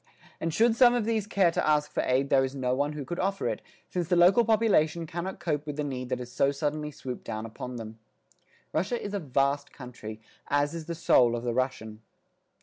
And should some of these care to ask for aid there is no one who could offer it, since the local population cannot cope with the need that has so suddenly swooped down upon them. Russia is a vast country, as is the soul of the Russian.